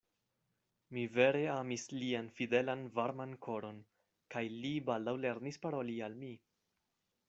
Mi vere amis lian fidelan varman koron, kaj li baldaŭ lernis paroli al mi.